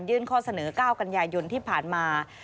ยื่นข้อเสนอก้าวกัญญายนที่ผ่านมา